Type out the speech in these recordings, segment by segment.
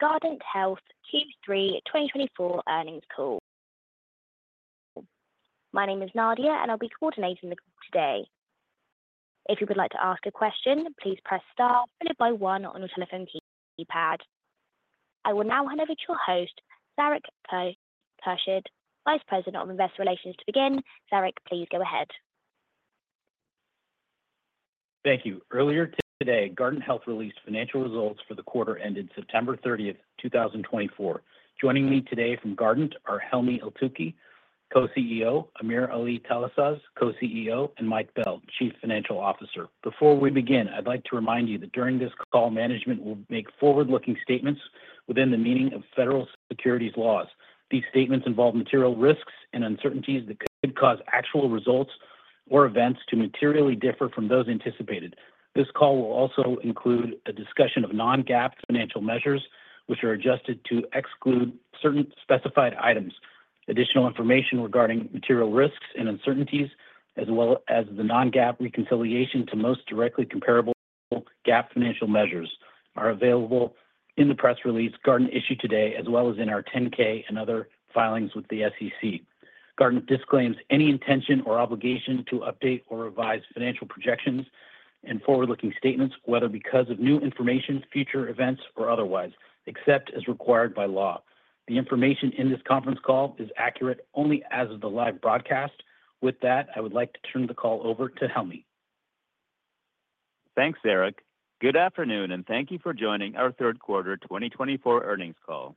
Guardant Health Q3 2024 earnings call. My name is Nadia, and I'll be coordinating the call today. If you would like to ask a question, please press star followed by one on your telephone keypad. I will now hand over to your host, Zarak Khurshid, Vice President of Investor Relations, to begin. Zarak please go ahead. Thank you. Earlier today, Guardant Health released financial results for the quarter ended September 30th, 2024. Joining me today from Guardant are Helmy Eltoukhy, Co-CEO, AmirAli Talasaz, Co-CEO, and Mike Bell, Chief Financial Officer. Before we begin, I'd like to remind you that during this call, management will make forward-looking statements within the meaning of federal securities laws. These statements involve material risks and uncertainties that could cause actual results or events to materially differ from those anticipated. This call will also include a discussion of non-GAAP financial measures, which are adjusted to exclude certain specified items. Additional information regarding material risks and uncertainties, as well as the non-GAAP reconciliation to most directly comparable GAAP financial measures, are available in the press release Guardant issued today, as well as in our 10-K and other filings with the SEC. Guardant disclaims any intention or obligation to update or revise financial projections and forward-looking statements, whether because of new information, future events, or otherwise, except as required by law. The information in this conference call is accurate only as of the live broadcast. With that, I would like to turn the call over to Helmy. Thanks, Zarak. Good afternoon, and thank you for joining our third quarter 2024 earnings call.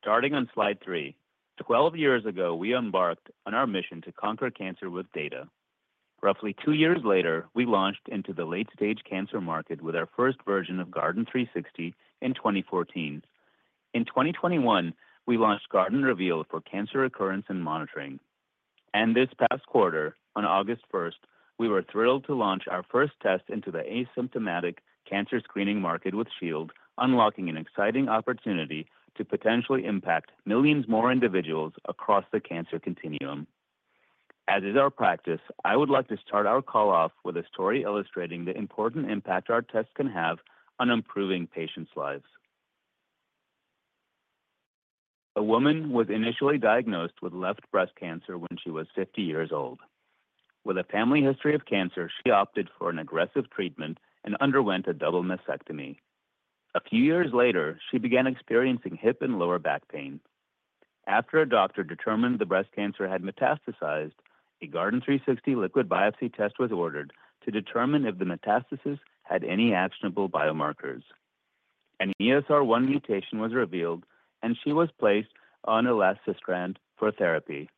Starting on slide three, 12 years ago, we embarked on our mission to conquer cancer with data. Roughly two years later, we launched into the late-stage cancer market with our first version of Guardant360 in 2014. In 2021, we launched Guardant Reveal for cancer recurrence and monitoring. And this past quarter, on August 1st, we were thrilled to launch our first test into the asymptomatic cancer screening market with Shield, unlocking an exciting opportunity to potentially impact millions more individuals across the cancer continuum. As is our practice, I would like to start our call off with a story illustrating the important impact our tests can have on improving patients' lives. A woman was initially diagnosed with left breast cancer when she was 50 years old. With a family history of cancer, she opted for an aggressive treatment and underwent a double mastectomy. A few years later, she began experiencing hip and lower back pain. After a doctor determined the breast cancer had metastasized, a Guardant360 liquid biopsy test was ordered to determine if the metastasis had any actionable biomarkers. An ESR1 mutation was revealed, and she was placed on elacestrant for therapy.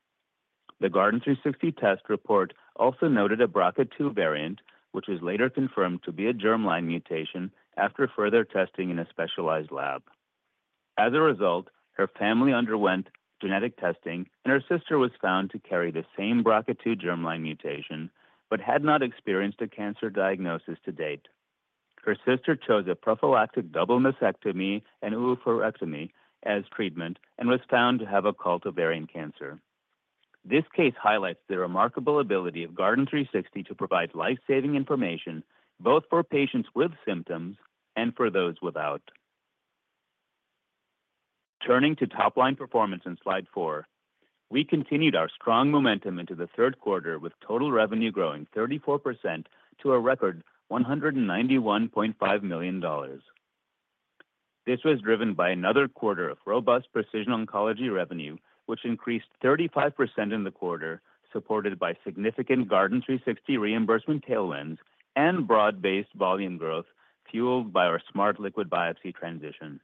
The Guardant360 test report also noted a BRCA2 variant, which was later confirmed to be a germline mutation after further testing in a specialized lab. As a result, her family underwent genetic testing, and her sister was found to carry the same BRCA2 germline mutation but had not experienced a cancer diagnosis to date. Her sister chose a prophylactic double mastectomy and oophorectomy as treatment and was found to have occult ovarian cancer. This case highlights the remarkable ability of Guardant360 to provide lifesaving information both for patients with symptoms and for those without. Turning to top-line performance on slide four, we continued our strong momentum into the third quarter with total revenue growing 34% to a record $191.5 million. This was driven by another quarter of robust precision oncology revenue, which increased 35% in the quarter, supported by significant Guardant360 reimbursement tailwinds and broad-based volume growth fueled by our Smart Liquid Biopsy transition.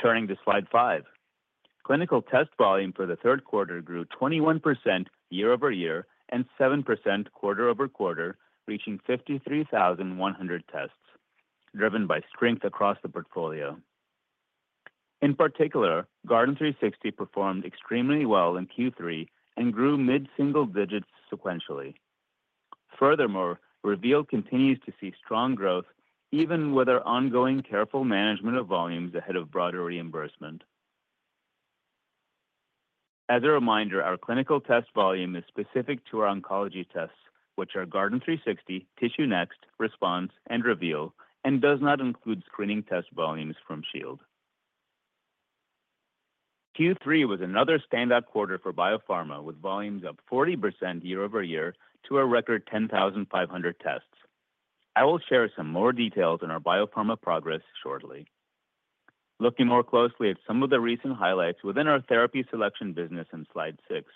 Turning to slide five, clinical test volume for the third quarter grew 21% year over year and 7% quarter over quarter, reaching 53,100 tests, driven by strength across the portfolio. In particular, Guardant360 performed extremely well in Q3 and grew mid-single digits sequentially. Furthermore, Reveal continues to see strong growth even with our ongoing careful management of volumes ahead of broader reimbursement. As a reminder, our clinical test volume is specific to our oncology tests, which are Guardant360, TissueNext, Response, and Reveal, and does not include screening test volumes from Shield. Q3 was another standout quarter for biopharma with volumes up 40% year over year to a record 10,500 tests. I will share some more details on our biopharma progress shortly. Looking more closely at some of the recent highlights within our therapy selection business on slide six,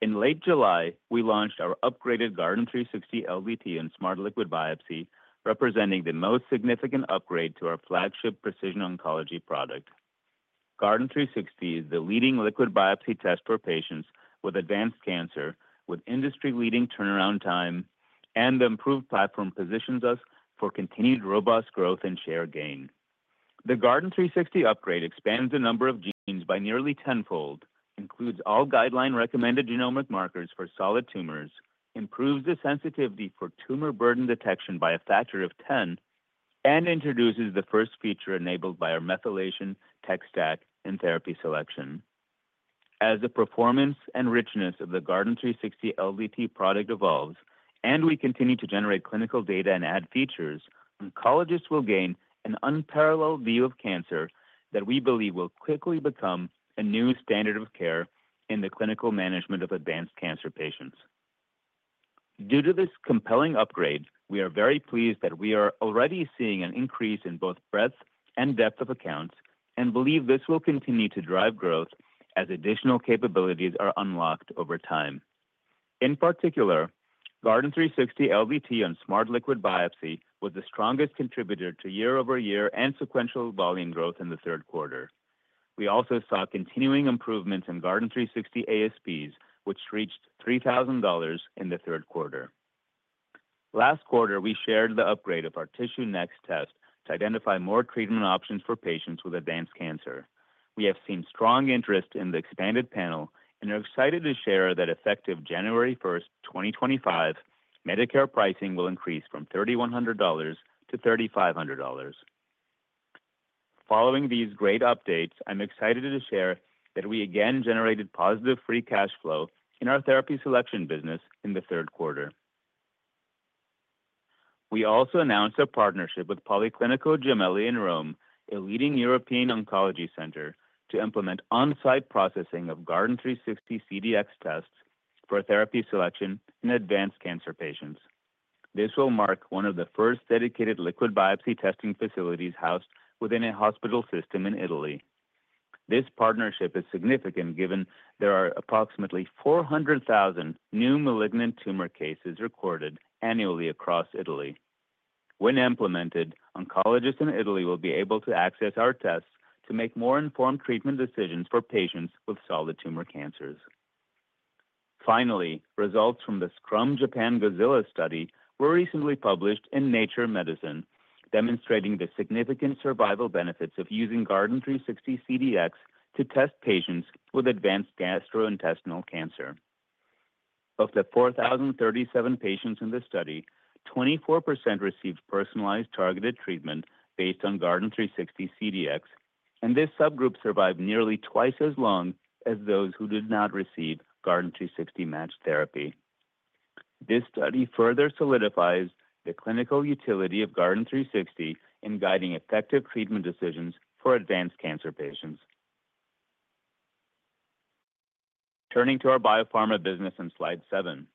in late July, we launched our upgraded Guardant360 LDT and Smart Liquid Biopsy, representing the most significant upgrade to our flagship precision oncology product. Guardant360 is the leading liquid biopsy test for patients with advanced cancer, with industry-leading turnaround time, and the improved platform positions us for continued robust growth and share gain. The Guardant360 upgrade expands the number of genes by nearly tenfold, includes all guideline-recommended genomic markers for solid tumors, improves the sensitivity for tumor burden detection by a factor of 10, and introduces the first feature enabled by our methylation tech stack and therapy selection. As the performance and richness of the Guardant360 LDT product evolves, and we continue to generate clinical data and add features, oncologists will gain an unparalleled view of cancer that we believe will quickly become a new standard of care in the clinical management of advanced cancer patients. Due to this compelling upgrade, we are very pleased that we are already seeing an increase in both breadth and depth of accounts and believe this will continue to drive growth as additional capabilities are unlocked over time. In particular, Guardant360 LDT and Smart Liquid Biopsy was the strongest contributor to year-over-year and sequential volume growth in the third quarter. We also saw continuing improvements in Guardant360 ASPs, which reached $3,000 in the third quarter. Last quarter, we shared the upgrade of our TissueNext test to identify more treatment options for patients with advanced cancer. We have seen strong interest in the expanded panel and are excited to share that effective January 1st, 2025, Medicare pricing will increase from $3,100 to $3,500. Following these great updates, I'm excited to share that we again generated positive free cash flow in our therapy selection business in the third quarter. We also announced a partnership with Policlinico Gemelli in Rome, a leading European oncology center, to implement on-site processing of Guardant360 CDx tests for therapy selection in advanced cancer patients. This will mark one of the first dedicated liquid biopsy testing facilities housed within a hospital system in Italy. This partnership is significant given there are approximately 400,000 new malignant tumor cases recorded annually across Italy. When implemented, oncologists in Italy will be able to access our tests to make more informed treatment decisions for patients with solid tumor cancers. Finally, results from the SCRUM-Japan GOZILA study were recently published in Nature Medicine, demonstrating the significant survival benefits of using Guardant360 CDx to test patients with advanced gastrointestinal cancer. Of the 4,037 patients in the study, 24% received personalized targeted treatment based on Guardant360 CDx, and this subgroup survived nearly twice as long as those who did not receive Guardant360 matched therapy. This study further solidifies the clinical utility of Guardant360 in guiding effective treatment decisions for advanced cancer patients. Turning to our biopharma business on slide seven,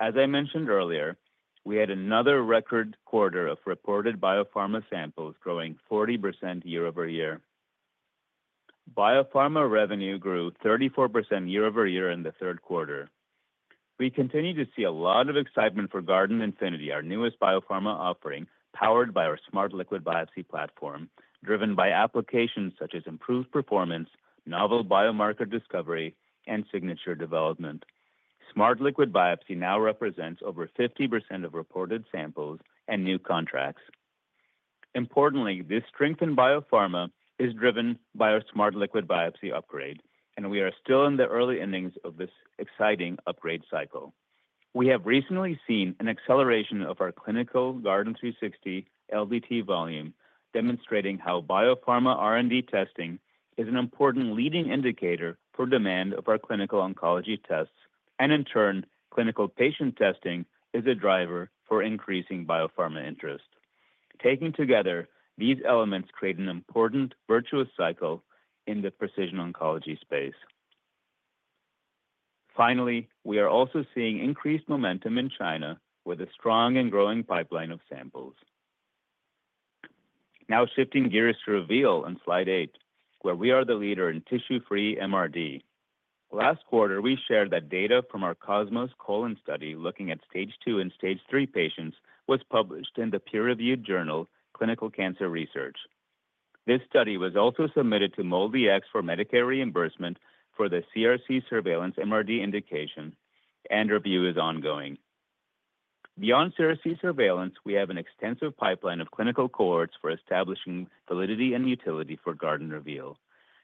as I mentioned earlier, we had another record quarter of reported biopharma samples growing 40% year over year. Biopharma revenue grew 34% year over year in the third quarter. We continue to see a lot of excitement for Guardant Infinity, our newest biopharma offering powered by our Smart Liquid Biopsy platform, driven by applications such as improved performance, novel biomarker discovery, and signature development. Smart Liquid Biopsy now represents over 50% of reported samples and new contracts. Importantly, this strength in biopharma is driven by our Smart Liquid Biopsy upgrade, and we are still in the early innings of this exciting upgrade cycle. We have recently seen an acceleration of our clinical Guardant360 LDT volume, demonstrating how biopharma R&D testing is an important leading indicator for demand of our clinical oncology tests, and in turn, clinical patient testing is a driver for increasing biopharma interest. Taken together, these elements create an important virtuous cycle in the precision oncology space. Finally, we are also seeing increased momentum in China with a strong and growing pipeline of samples. Now shifting gears to Reveal on slide eight, where we are the leader in tissue-free MRD. Last quarter, we shared that data from our COSMOS colon study looking at Stage II and Stage III patients was published in the peer-reviewed journal Clinical Cancer Research. This study was also submitted to MolDX for Medicare reimbursement for the CRC surveillance MRD indication, and review is ongoing. Beyond CRC surveillance, we have an extensive pipeline of clinical cohorts for establishing validity and utility for Guardant Reveal.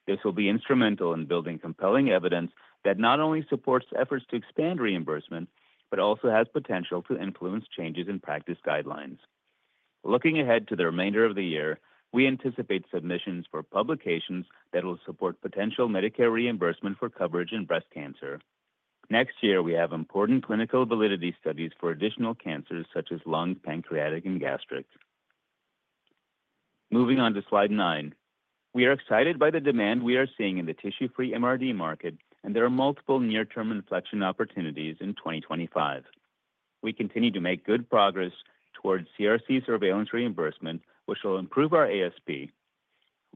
This will be instrumental in building compelling evidence that not only supports efforts to expand reimbursement but also has potential to influence changes in practice guidelines. Looking ahead to the remainder of the year, we anticipate submissions for publications that will support potential Medicare reimbursement for coverage in breast cancer. Next year, we have important clinical validity studies for additional cancers such as lung, pancreatic, and gastric. Moving on to slide nine, we are excited by the demand we are seeing in the tissue-free MRD market, and there are multiple near-term inflection opportunities in 2025. We continue to make good progress towards CRC surveillance reimbursement, which will improve our ASP.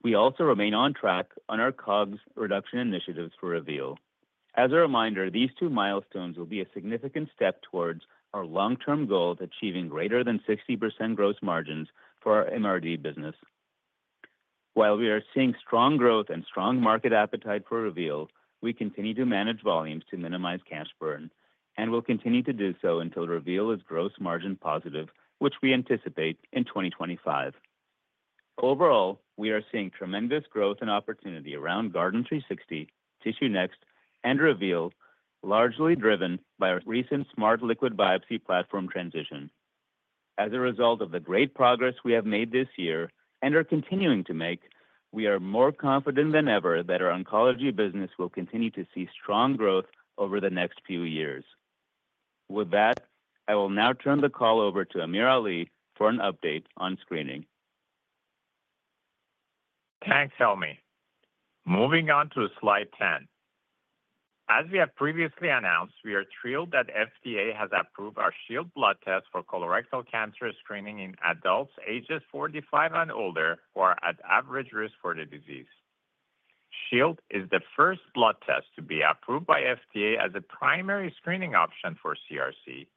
We also remain on track on our COGS reduction initiatives for Reveal. As a reminder, these two milestones will be a significant step towards our long-term goal of achieving greater than 60% gross margins for our MRD business. While we are seeing strong growth and strong market appetite for Reveal, we continue to manage volumes to minimize cash burn, and we'll continue to do so until Reveal is gross margin positive, which we anticipate in 2025. Overall, we are seeing tremendous growth and opportunity around Guardant360, TissueNext, and Reveal, largely driven by our recent Smart Liquid Biopsy platform transition. As a result of the great progress we have made this year and are continuing to make, we are more confident than ever that our oncology business will continue to see strong growth over the next few years. With that, I will now turn the call over to AmirAli for an update on screening. Thanks, Helmy. Moving on to slide 10. As we have previously announced, we are thrilled that the FDA has approved our Shield blood test for colorectal cancer screening in adults ages 45 and older who are at average risk for the disease. Shield is the first blood test to be approved by the FDA as a primary screening option for CRC,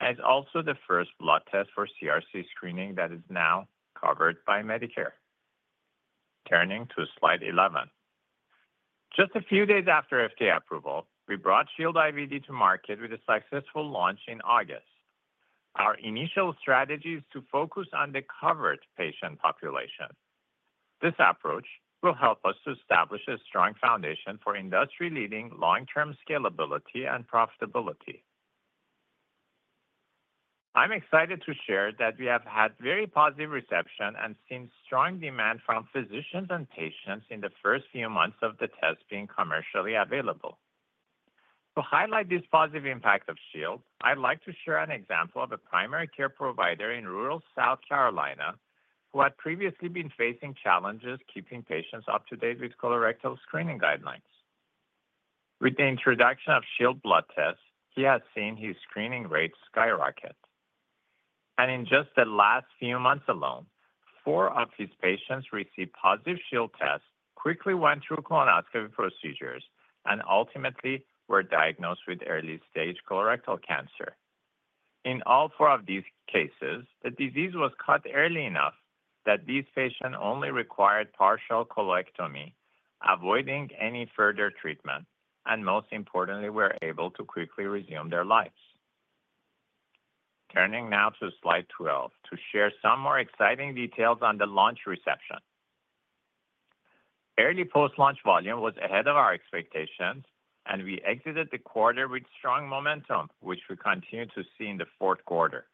as also the first blood test for CRC screening that is now covered by Medicare. Turning to slide 11. Just a few days after FDA approval, we brought Shield IVD to market with a successful launch in August. Our initial strategy is to focus on the covered patient population. This approach will help us to establish a strong foundation for industry-leading long-term scalability and profitability. I'm excited to share that we have had very positive reception and seen strong demand from physicians and patients in the first few months of the test being commercially available. To highlight these positive impacts of Shield, I'd like to share an example of a primary care provider in rural South Carolina who had previously been facing challenges keeping patients up to date with colorectal screening guidelines. With the introduction of Shield blood tests, he has seen his screening rates skyrocket, and in just the last few months alone, four of his patients received positive Shield tests, quickly went through colonoscopy procedures, and ultimately were diagnosed with early-stage colorectal cancer. In all four of these cases, the disease was caught early enough that these patients only required partial colectomy, avoiding any further treatment, and most importantly, were able to quickly resume their lives. Turning now to slide 12 to share some more exciting details on the launch reception. Early post-launch volume was ahead of our expectations, and we exited the quarter with strong momentum, which we continue to see in the fourth quarter.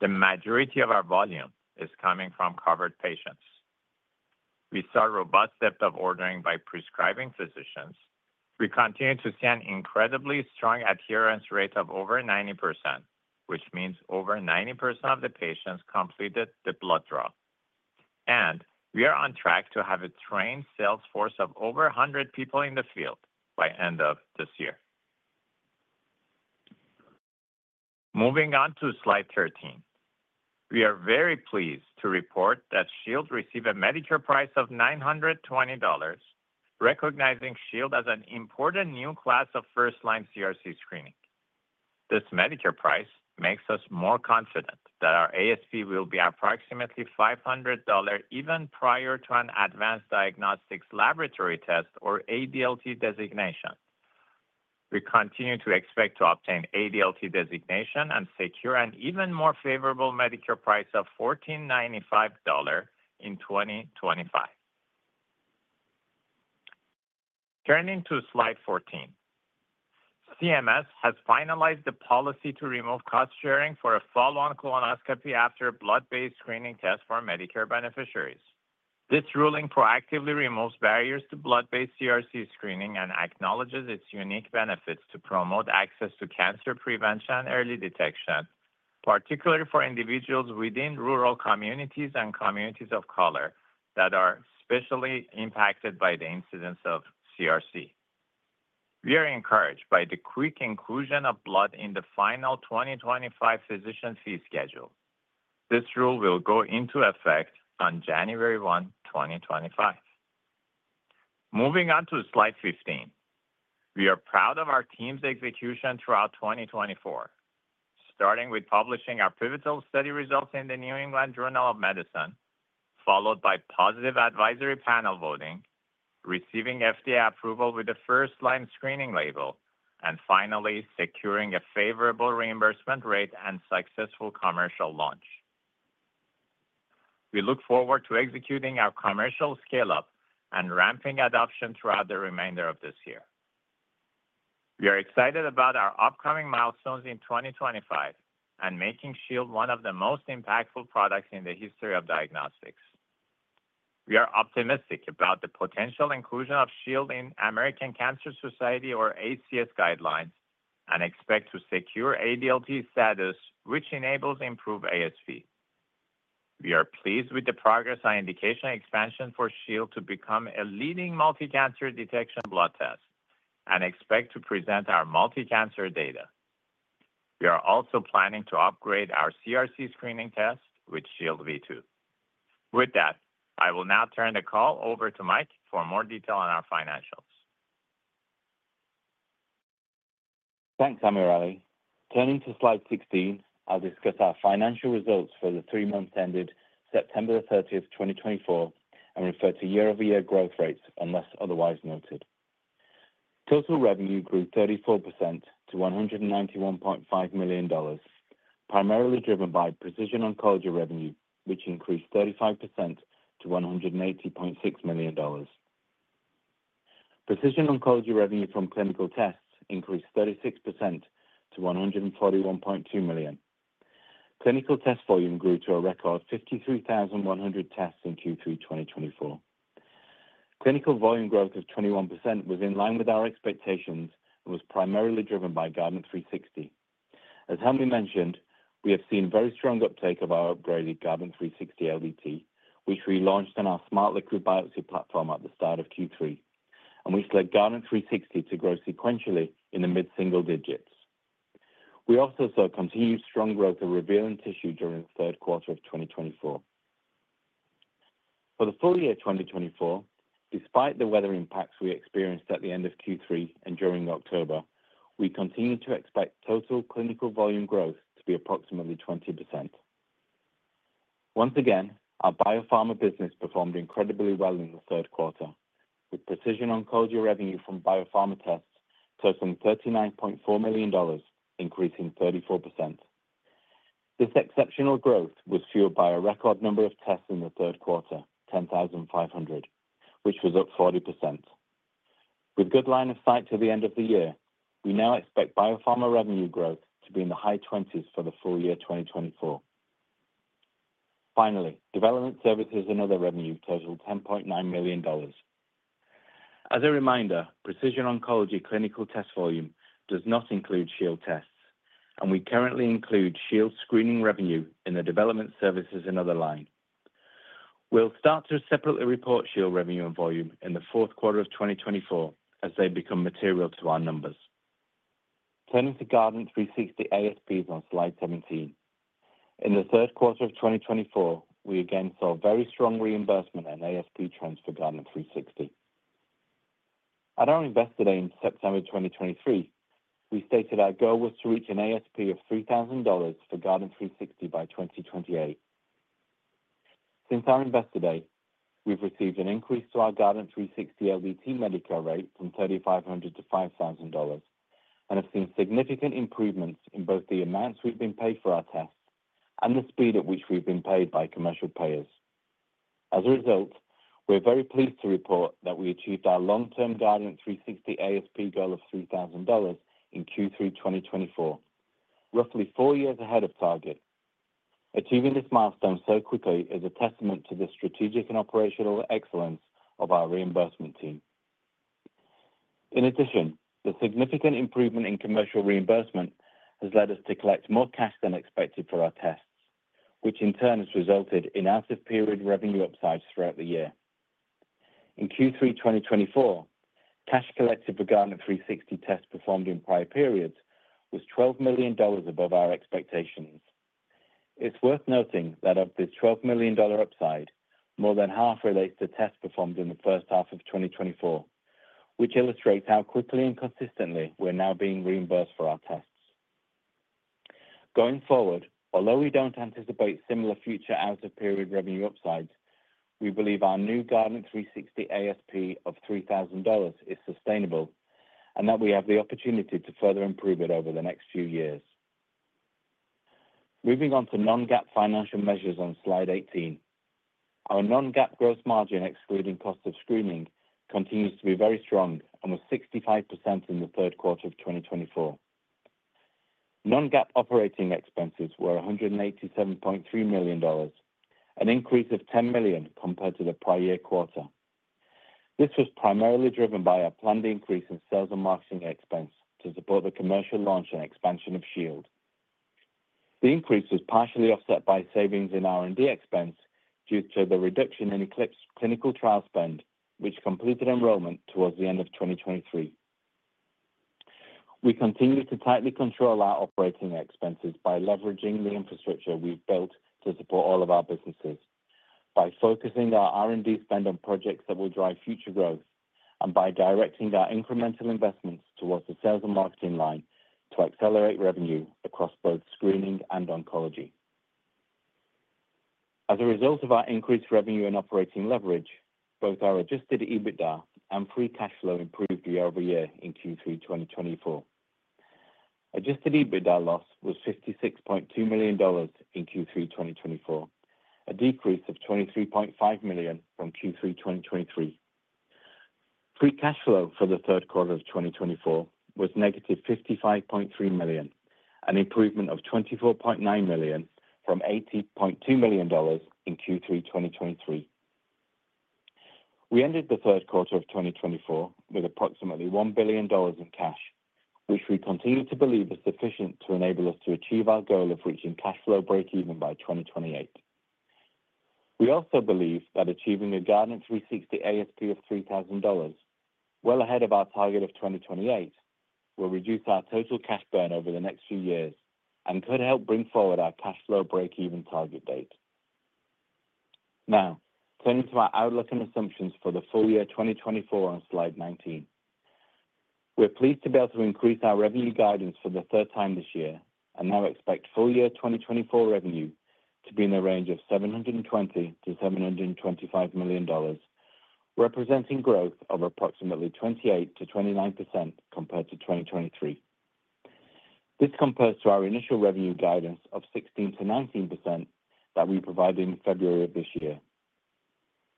The majority of our volume is coming from covered patients. We saw robust depth of ordering by prescribing physicians. We continue to see an incredibly strong adherence rate of over 90%, which means over 90% of the patients completed the blood draw, and we are on track to have a trained sales force of over 100 people in the field by the end of this year. Moving on to slide 13, we are very pleased to report that Shield received a Medicare price of $920, recognizing Shield as an important new class of first-line CRC screening. This Medicare price makes us more confident that our ASP will be approximately $500 even prior to an advanced diagnostic laboratory test or ADLT designation. We continue to expect to obtain ADLT designation and secure an even more favorable Medicare price of $1,495 in 2025. Turning to slide 14, CMS has finalized the policy to remove cost sharing for a follow-on colonoscopy after a blood-based screening test for Medicare beneficiaries. This ruling proactively removes barriers to blood-based CRC screening and acknowledges its unique benefits to promote access to cancer prevention and early detection, particularly for individuals within rural communities and communities of color that are especially impacted by the incidence of CRC. We are encouraged by the quick inclusion of blood in the final 2025 Physician Fee Schedule. This rule will go into effect on January 1, 2025. Moving on to slide 15, we are proud of our team's execution throughout 2024, starting with publishing our pivotal study results in the New England Journal of Medicine, followed by positive advisory panel voting, receiving FDA approval with the first-line screening label, and finally securing a favorable reimbursement rate and successful commercial launch. We look forward to executing our commercial scale-up and ramping adoption throughout the remainder of this year. We are excited about our upcoming milestones in 2025 and making Shield one of the most impactful products in the history of diagnostics. We are optimistic about the potential inclusion of Shield in American Cancer Society or ACS guidelines and expect to secure ADLT status, which enables improved ASP. We are pleased with the progress on indication expansion for Shield to become a leading multi-cancer detection blood test and expect to present our multi-cancer data. We are also planning to upgrade our CRC screening test with Shield V2. With that, I will now turn the call over to Mike for more detail on our financials. Thanks, AmirAli. Turning to slide 16, I'll discuss our financial results for the three months ended September 30, 2024, and refer to year-over-year growth rates unless otherwise noted. Total revenue grew 34% to $191.5 million, primarily driven by precision oncology revenue, which increased 35% to $180.6 million. Precision oncology revenue from clinical tests increased 36% to $141.2 million. Clinical test volume grew to a record 53,100 tests in Q3 2024. Clinical volume growth of 21% was in line with our expectations and was primarily driven by Guardant360. As Helmy mentioned, we have seen very strong uptake of our upgraded Guardant360 LDT, which we launched on our Smart Liquid Biopsy platform at the start of Q3, and we expect Guardant360 to grow sequentially in the mid-single digits. We also saw continued strong growth of Reveal and tissue during the third quarter of 2024. For the full year 2024, despite the weather impacts we experienced at the end of Q3 and during October, we continue to expect total clinical volume growth to be approximately 20%. Once again, our biopharma business performed incredibly well in the third quarter, with precision oncology revenue from biopharma tests totaling $39.4 million, increasing 34%. This exceptional growth was fueled by a record number of tests in the third quarter, 10,500, which was up 40%. With good line of sight to the end of the year, we now expect biopharma revenue growth to be in the high 20s% for the full year 2024. Finally, development services and other revenue totaled $10.9 million. As a reminder, precision oncology clinical test volume does not include Shield tests, and we currently include Shield screening revenue in the development services and other line. We'll start to separately report Shield revenue and volume in the fourth quarter of 2024 as they become material to our numbers. Turning to Guardant360 ASPs on slide 17, in the third quarter of 2024, we again saw very strong reimbursement and ASP trends for Guardant360. At our investor day in September 2023, we stated our goal was to reach an ASP of $3,000 for Guardant360 by 2028. Since our investor day, we've received an increase to our Guardant360 LDT Medicare rate from $3,500 to $5,000 and have seen significant improvements in both the amounts we've been paid for our tests and the speed at which we've been paid by commercial payers. As a result, we're very pleased to report that we achieved our long-term Guardant360 ASP goal of $3,000 in Q3 2024, roughly four years ahead of target. Achieving this milestone so quickly is a testament to the strategic and operational excellence of our reimbursement team. In addition, the significant improvement in commercial reimbursement has led us to collect more cash than expected for our tests, which in turn has resulted in out-of-period revenue upsides throughout the year. In Q3 2024, cash collected for Guardant360 tests performed in prior periods was $12 million above our expectations. It's worth noting that of this $12 million upside, more than half relates to tests performed in the first half of 2024, which illustrates how quickly and consistently we're now being reimbursed for our tests. Going forward, although we don't anticipate similar future out-of-period revenue upsides, we believe our new Guardant360 ASP of $3,000 is sustainable and that we have the opportunity to further improve it over the next few years. Moving on to non-GAAP financial measures on slide 18, our non-GAAP gross margin excluding cost of screening continues to be very strong and was 65% in the third quarter of 2024. Non-GAAP operating expenses were $187.3 million, an increase of $10 million compared to the prior year quarter. This was primarily driven by a planned increase in sales and marketing expense to support the commercial launch and expansion of Shield. The increase was partially offset by savings in R&D expense due to the reduction in ECLIPSE clinical trial spend, which completed enrollment towards the end of 2023. We continue to tightly control our operating expenses by leveraging the infrastructure we've built to support all of our businesses, by focusing our R&D spend on projects that will drive future growth, and by directing our incremental investments towards the sales and marketing line to accelerate revenue across both screening and oncology. As a result of our increased revenue and operating leverage, both our Adjusted EBITDA and Free Cash Flow improved year-over-year in Q3 2024. Adjusted EBITDA loss was $56.2 million in Q3 2024, a decrease of $23.5 million from Q3 2023. Free Cash Flow for the third quarter of 2024 was negative $55.3 million, an improvement of $24.9 million from $80.2 million in Q3 2023. We ended the third quarter of 2024 with approximately $1 billion in cash, which we continue to believe is sufficient to enable us to achieve our goal of reaching cash flow break-even by 2028. We also believe that achieving a Guardant360 ASP of $3,000, well ahead of our target of 2028, will reduce our total cash burn over the next few years and could help bring forward our cash flow break-even target date. Now, turning to our outlook and assumptions for the full year 2024 on slide 19, we're pleased to be able to increase our revenue guidance for the third time this year and now expect full year 2024 revenue to be in the range of $720 million-$725 million, representing growth of approximately 28%-29% compared to 2023. This compares to our initial revenue guidance of 16%-19% that we provided in February of this year.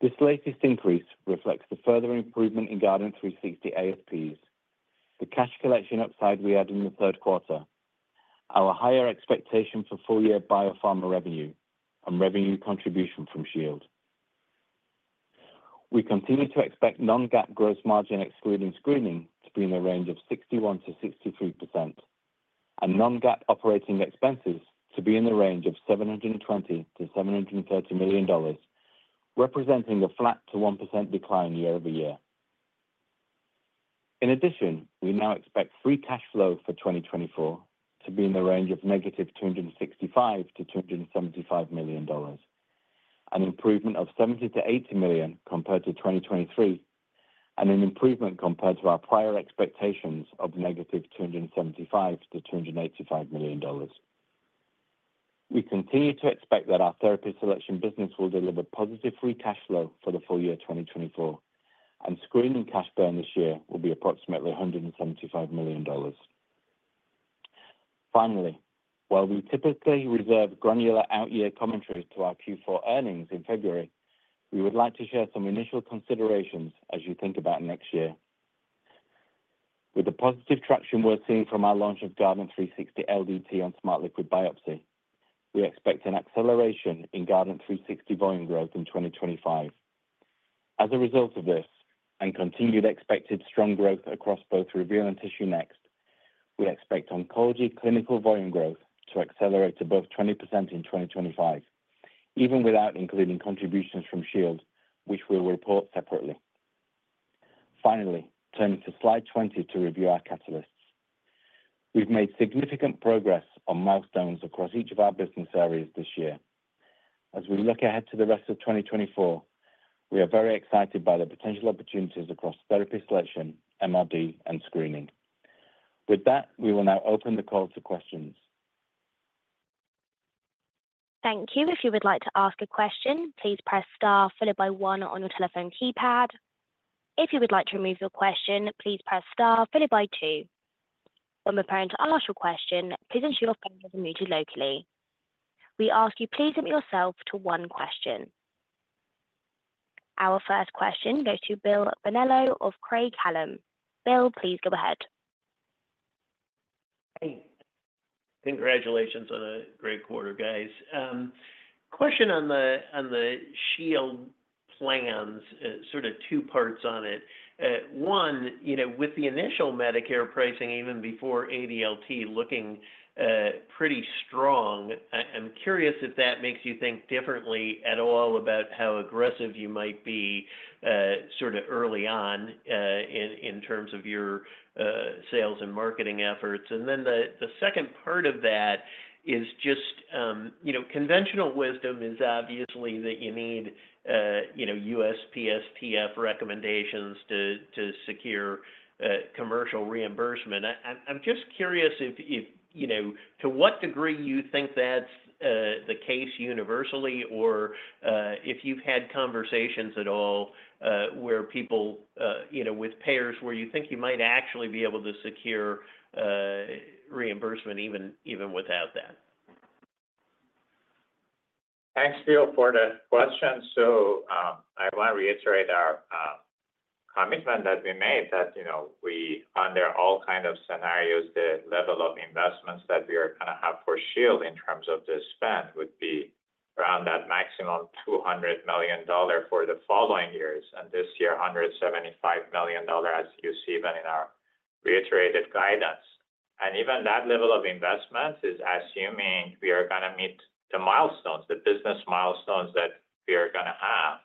This latest increase reflects the further improvement in Guardant360 ASPs, the cash collection upside we had in the third quarter, our higher expectation for full year biopharma revenue, and revenue contribution from Shield. We continue to expect non-GAAP gross margin excluding screening to be in the range of 61%-63%, and non-GAAP operating expenses to be in the range of $720 million-$730 million, representing a flat to 1% decline year-over-year. In addition, we now expect free cash flow for 2024 to be in the range of negative $265 million-$275 million, an improvement of $70 million-$80 million compared to 2023, and an improvement compared to our prior expectations of negative $275 million-$285 million. We continue to expect that our therapy selection business will deliver positive free cash flow for the full year 2024, and screening cash burn this year will be approximately $175 million. Finally, while we typically reserve granular out-year commentary to our Q4 earnings in February, we would like to share some initial considerations as you think about next year. With the positive traction we're seeing from our launch of Guardant360 LDT on Smart Liquid Biopsy, we expect an acceleration in Guardant360 volume growth in 2025. As a result of this, and continued expected strong growth across both Reveal and TissueNext, we expect oncology clinical volume growth to accelerate above 20% in 2025, even without including contributions from Shield, which we'll report separately. Finally, turning to slide 20 to review our catalysts, we've made significant progress on milestones across each of our business areas this year. As we look ahead to the rest of 2024, we are very excited by the potential opportunities across therapy selection, MRD, and screening. With that, we will now open the call to questions. Thank you. If you would like to ask a question, please press Star followed by 1 on your telephone keypad. If you would like to remove your question, please press Star followed by 2. When we're preparing to ask your question, please ensure your phone has been muted locally. We ask you, please limit yourself to one question. Our first question goes to Bill Bonello of Craig-Hallum. Bill, please go ahead. Hey. Congratulations on a great quarter, guys. Question on the Shield plans, sort of two parts on it. One, with the initial Medicare pricing even before ADLT looking pretty strong, I'm curious if that makes you think differently at all about how aggressive you might be sort of early on in terms of your sales and marketing efforts. And then the second part of that is just conventional wisdom is obviously that you need USPSTF recommendations to secure commercial reimbursement. I'm just curious to what degree you think that's the case universally or if you've had conversations at all where people with payers where you think you might actually be able to secure reimbursement even without that. Thanks, Bill, for the question, so I want to reiterate our commitment that we made that we under all kinds of scenarios, the level of investments that we are going to have for Shield in terms of the spend would be around that maximum $200 million for the following years, and this year $175 million, as you see that in our reiterated guidance, and even that level of investment is assuming we are going to meet the milestones, the business milestones that we are going to have.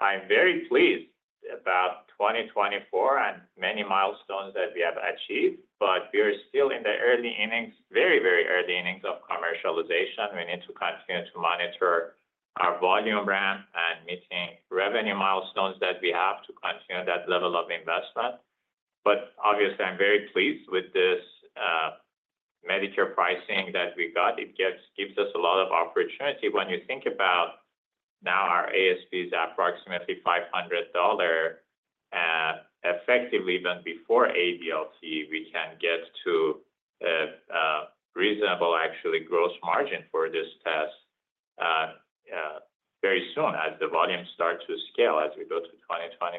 I'm very pleased about 2024 and many milestones that we have achieved, but we are still in the early innings, very, very early innings of commercialization. We need to continue to monitor our volume ramp and meeting revenue milestones that we have to continue that level of investment, but obviously, I'm very pleased with this Medicare pricing that we got. It gives us a lot of opportunity. When you think about now our ASP is approximately $500, effectively even before ADLT, we can get to a reasonable, actually, gross margin for this test very soon as the volume starts to scale as we go to 2025.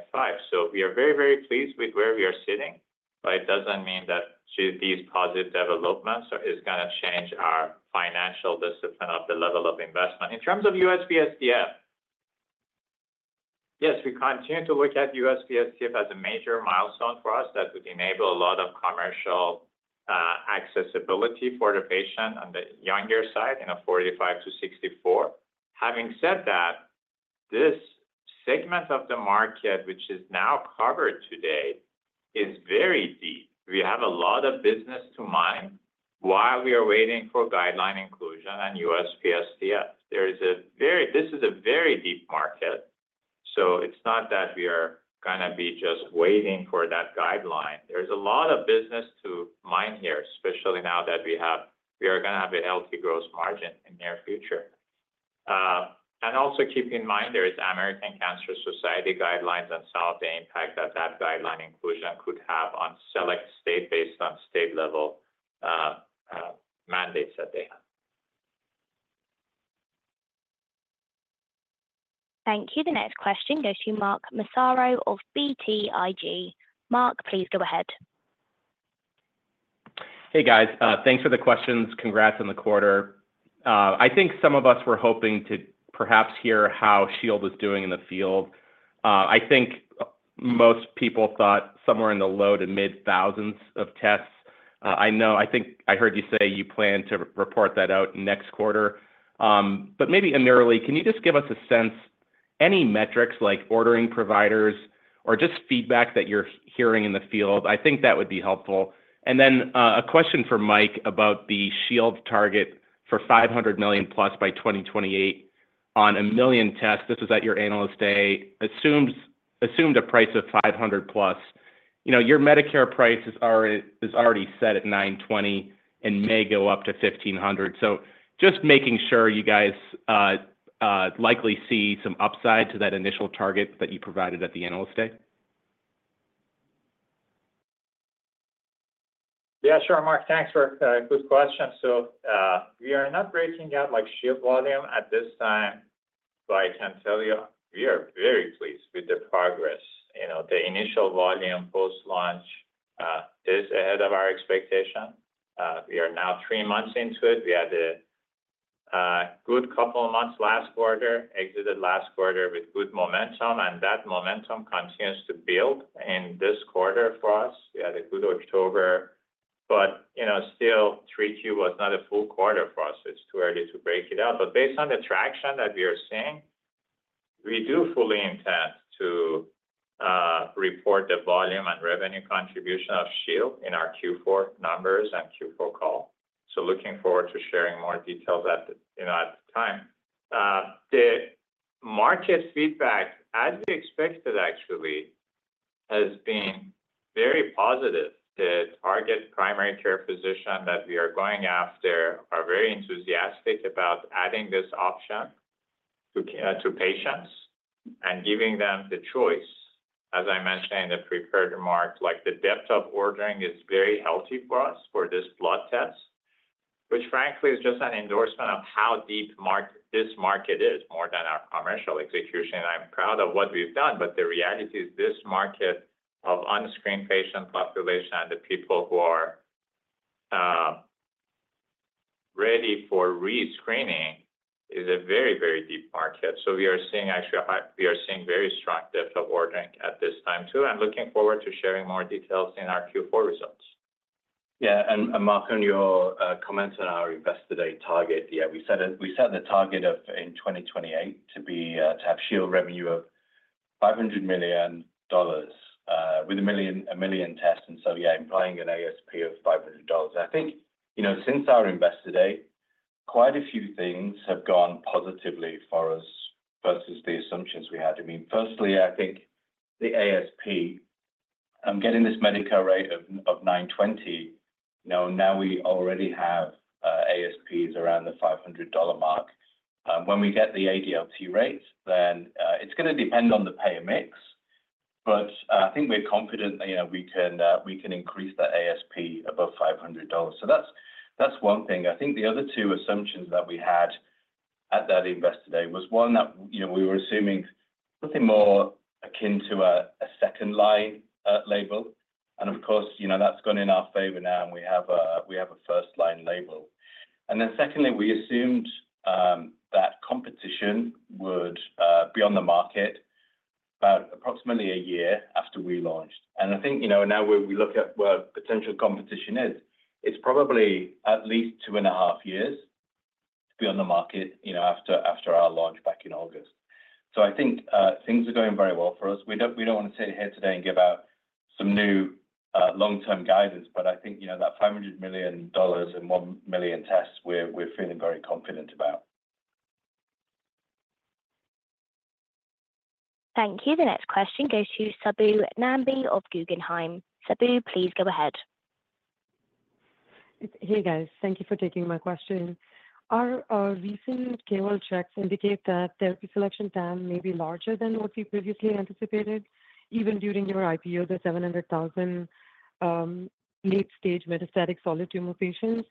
So we are very, very pleased with where we are sitting, but it doesn't mean that these positive developments are going to change our financial discipline of the level of investment. In terms of USPSTF, yes, we continue to look at USPSTF as a major milestone for us that would enable a lot of commercial accessibility for the patient on the younger side in a 45-64. Having said that, this segment of the market, which is now covered today, is very deep. We have a lot of business to mine while we are waiting for guideline inclusion and USPSTF. This is a very deep market, so it's not that we are going to be just waiting for that guideline. There's a lot of business to mine here, especially now that we are going to have a healthy gross margin in the near future, and also keep in mind there's American Cancer Society guidelines and some of the impact that that guideline inclusion could have on select states based on state-level mandates that they have. Thank you. The next question goes to Mark Massaro of BTIG. Mark, please go ahead. Hey, guys. Thanks for the questions. Congrats on the quarter. I think some of us were hoping to perhaps hear how Shield is doing in the field. I think most people thought somewhere in the low to mid thousands of tests. I think I heard you say you plan to report that out next quarter. But maybe an early read, can you just give us a sense? Any metrics like ordering providers or just feedback that you're hearing in the field? I think that would be helpful. And then a question for Mike about the Shield target for $500 million-plus by 2028 on a million tests. This was at your analyst day. Assumed a price of $500-plus. Your Medicare price is already set at $920 and may go up to $1,500. So just making sure you guys likely see some upside to that initial target that you provided at the analyst day. Yeah, sure, Mark. Thanks for a good question. So we are not breaking out like Shield volume at this time, but I can tell you we are very pleased with the progress. The initial volume post-launch is ahead of our expectation. We are now three months into it. We had a good couple of months last quarter, exited last quarter with good momentum, and that momentum continues to build in this quarter for us. We had a good October, but still 3Q was not a full quarter for us. It's too early to break it out. But based on the traction that we are seeing, we do fully intend to report the volume and revenue contribution of Shield in our Q4 numbers and Q4 call. So looking forward to sharing more details at the time. The market feedback, as we expected, actually, has been very positive. The target primary care physician that we are going after are very enthusiastic about adding this option to patients and giving them the choice. As I mentioned in the prepared remarks, the depth of ordering is very healthy for us for this blood test, which frankly is just an endorsement of how deep this market is more than our commercial execution. I'm proud of what we've done, but the reality is this market of unscreened patient population and the people who are ready for rescreening is a very, very deep market. So we are seeing very strong depth of ordering at this time too, and looking forward to sharing more details in our Q4 results. Yeah. And Mark, on your comments on our investor day target, yeah, we set the target in 2028 to have Shield revenue of $500 million with a million tests. And so, yeah, implying an ASP of $500. I think since our investor day, quite a few things have gone positively for us versus the assumptions we had. I mean, firstly, I think the ASP, I'm getting this Medicare rate of $920. Now we already have ASPs around the $500 mark. When we get the ADLT rates, then it's going to depend on the pay mix, but I think we're confident that we can increase that ASP above $500. So that's one thing. I think the other two assumptions that we had at that investor day was one that we were assuming something more akin to a second line label. And of course, that's gone in our favor now, and we have a first line label. And then secondly, we assumed that competition would be on the market about approximately a year after we launched. And I think now we look at where potential competition is, it's probably at least two and a half years to be on the market after our launch back in August. So I think things are going very well for us. We don't want to sit here today and give out some new long-term guidance, but I think that $500 million and 1 million tests, we're feeling very confident about. Thank you. The next question goes to Subbu Nambi of Guggenheim Securities. Subbu, please go ahead. Here you go. Thank you for taking my question. Our recent KOL checks indicate that therapy selection TAM may be larger than what we previously anticipated, even during your IPO, the 700,000 late-stage metastatic solid tumor patients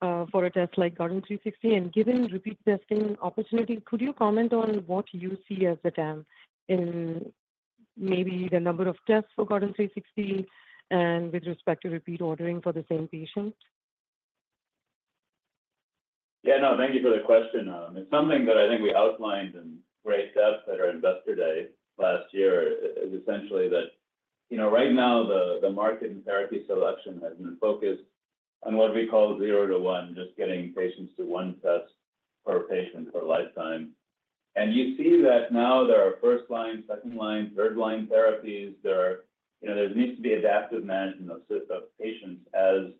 for a test like Guardant360. And given repeat testing opportunity, could you comment on what you see as the TAM in maybe the number of tests for Guardant360 and with respect to repeat ordering for the same patient? Yeah, no, thank you for the question. It's something that I think we outlined in great depth at our investor day last year is essentially that right now the market and therapy selection has been focused on what we call zero to one, just getting patients to one test per patient per lifetime. And you see that now there are first line, second line, third line therapies. There needs to be adaptive management of patients as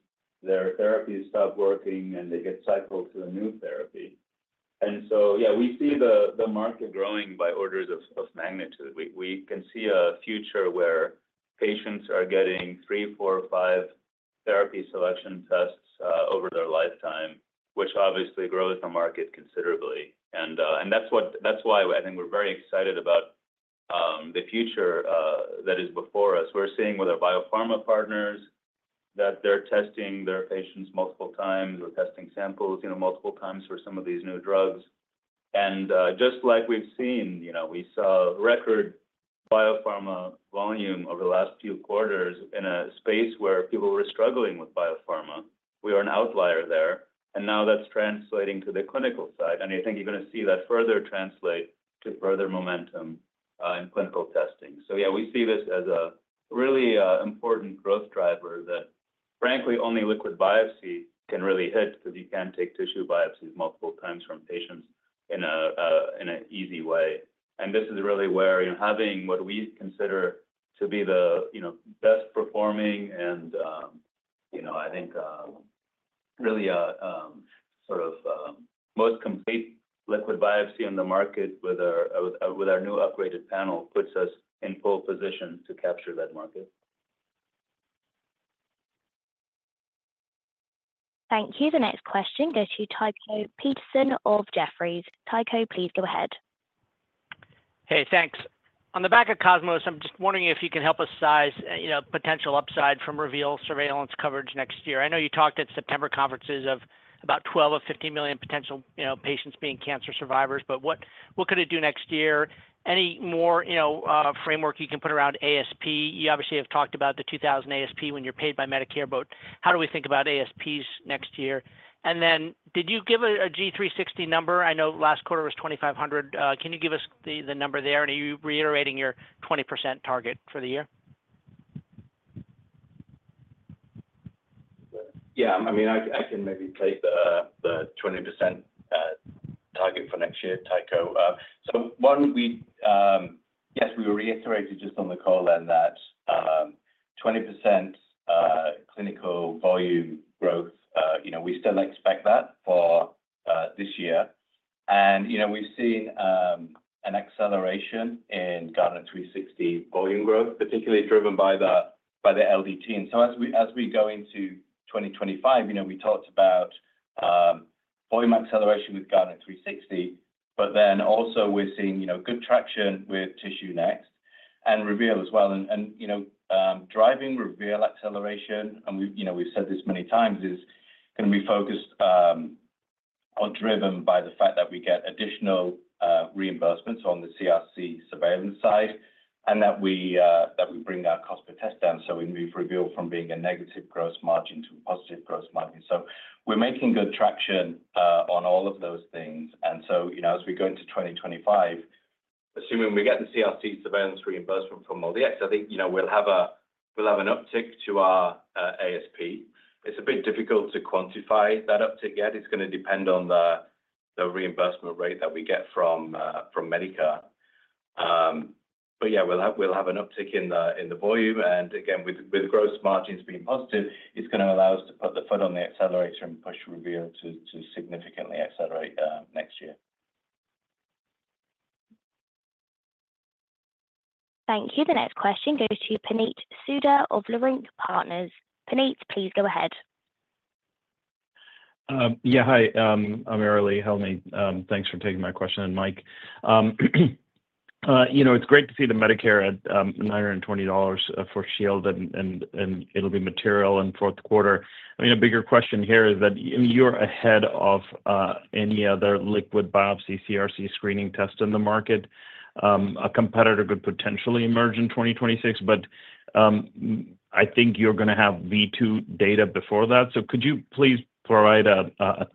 their therapies stop working and they get cycled to a new therapy. And so, yeah, we see the market growing by orders of magnitude. We can see a future where patients are getting three, four, five therapy selection tests over their lifetime, which obviously grows the market considerably. And that's why I think we're very excited about the future that is before us. We're seeing with our biopharma partners that they're testing their patients multiple times. We're testing samples multiple times for some of these new drugs, and just like we've seen, we saw record biopharma volume over the last few quarters in a space where people were struggling with biopharma. We were an outlier there, and now that's translating to the clinical side, and I think you're going to see that further translate to further momentum in clinical testing, so yeah, we see this as a really important growth driver that frankly, only liquid biopsy can really hit because you can't take tissue biopsies multiple times from patients in an easy way. This is really where having what we consider to be the best performing and I think really sort of most complete liquid biopsy on the market with our new upgraded panel puts us in full position to capture that market. Thank you. The next question goes to Tycho Peterson of Jefferies. Tycho, please go ahead. Hey, thanks. On the back of COSMOS, I'm just wondering if you can help us size potential upside from Reveal surveillance coverage next year. I know you talked at September conferences of about 12 or 15 million potential patients being cancer survivors, but what could it do next year? Any more framework you can put around ASP? You obviously have talked about the $2,000 ASP when you're paid by Medicare, but how do we think about ASPs next year? And then did you give a Guardant360 number? I know last quarter was $2,500. Can you give us the number there? And are you reiterating your 20% target for the year? Yeah, I mean, I can maybe take the 20% target for next year, Tycho. So one, yes, we were reiterated just on the call then that 20% clinical volume growth. We still expect that for this year. We've seen an acceleration in Guardant360 volume growth, particularly driven by the LDT. So as we go into 2025, we talked about volume acceleration with Guardant360, but then also we're seeing good traction with TissueNext and Reveal as well. Driving Reveal acceleration, and we've said this many times, is going to be focused or driven by the fact that we get additional reimbursements on the CRC surveillance side and that we bring our cost per test down. So we move Reveal from being a negative gross margin to a positive gross margin. We're making good traction on all of those things. And so as we go into 2025, assuming we get the CRC surveillance reimbursement from MolDX, I think we'll have an uptick to our ASP. It's a bit difficult to quantify that uptick yet. It's going to depend on the reimbursement rate that we get from Medicare. But yeah, we'll have an uptick in the volume. And again, with gross margins being positive, it's going to allow us to put the foot on the accelerator and push Reveal to significantly accelerate next year. Thank you. The next question goes to Puneet Souda of Leerink Partners. Puneet, please go ahead. Yeah, hi. I'm Helmy Eltoukhy. Thanks for taking my question, Mike. It's great to see the Medicare at $920 for Shield, and it'll be material in fourth quarter. I mean, a bigger question here is that you're ahead of any other liquid biopsy CRC screening test in the market. A competitor could potentially emerge in 2026, but I think you're going to have V2 data before that. So could you please provide a